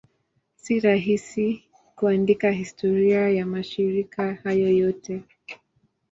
Si rahisi kuandika historia ya mashirika hayo yote.